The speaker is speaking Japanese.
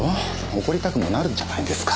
怒りたくもなるじゃないですか。